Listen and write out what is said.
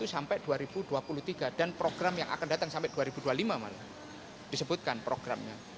sampai dua ribu dua puluh tiga dan program yang akan datang sampai dua ribu dua puluh lima malah disebutkan programnya